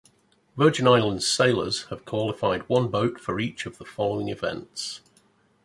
Virgin Islands sailors have qualified one boat for each of the following events.